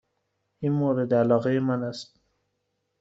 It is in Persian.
این مورد علاقه من است.